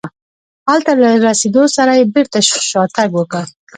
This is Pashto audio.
هلته له رسېدو سره یې بېرته شاتګ وکړ.